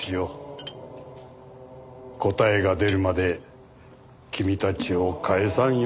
答えが出るまで君たちを帰さんよ。